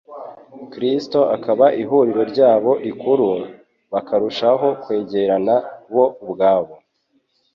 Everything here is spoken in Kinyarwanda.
Kristo akaba ihuriro ryabo rikuru, bakarushaho kwegerana bo ubwabo,